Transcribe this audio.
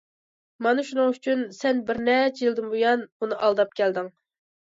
مانا شۇنىڭ ئۈچۈن، سەن بىر نەچچە يىلدىن بۇيان ئۇنى ئالداپ كەلدىڭ.